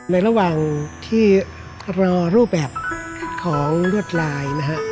ในระหว่างที่รอรูปแบบของลวดลายนะฮะ